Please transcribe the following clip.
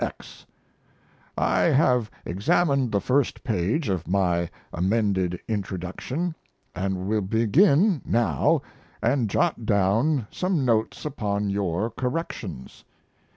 X., I have examined the first page of my amended Introduction, & will begin now & jot down some notes upon your corrections.